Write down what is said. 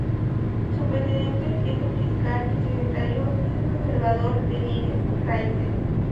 Su presidente es el Fiscal y el secretario es el Conservador de Bienes Raíces.